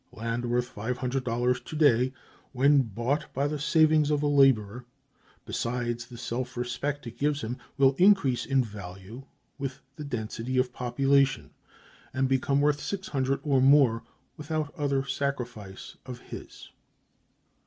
Land worth $500 to day when bought by the savings of a laborer, besides the self respect(315) it gives him, will increase in value with the density of population, and become worth $600 or more without other sacrifice of his.